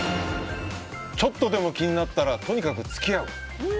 ちょっとでも気になったらとにかく付き合う。